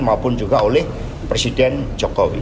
maupun juga oleh presiden jokowi